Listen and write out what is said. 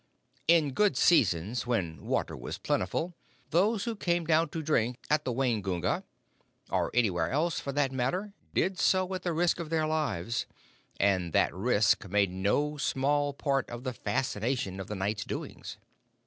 In good seasons, when water was plentiful, those who came down to drink at the Waingunga or anywhere else, for that matter did so at the risk of their lives, and that risk made no small part of the fascination of the night's doings.